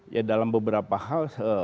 ya dalam beberapa hal